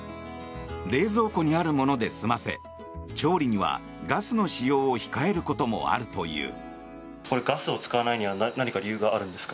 冷蔵庫にあるもので済ませ調理にはガスの使用を控えることもあるという。